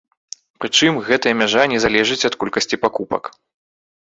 Прычым гэтая мяжа не залежыць ад колькасці пакупак.